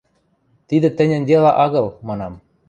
– Тидӹ тӹньӹн дела агыл, – манам.